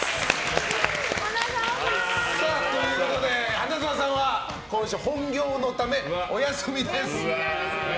花澤さんは今週、本業のためお休みです。